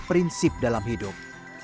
prinsip dalam hidup